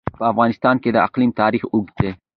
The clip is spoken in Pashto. په افغانستان کې د اقلیم تاریخ اوږد دی.